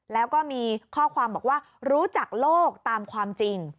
แล้วก็มีข้อความบอกว่ารู้จักโลกตามความจริง